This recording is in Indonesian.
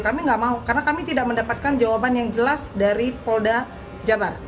kami nggak mau karena kami tidak mendapatkan jawaban yang jelas dari polda jabar